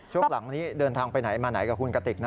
ช่วงหลังนี้เดินทางไปไหนมาไหนกับคุณกติกนะ